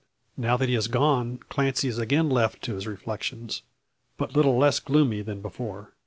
Now that he is gone, Clancy is again left to his reflections, but little less gloomy than before.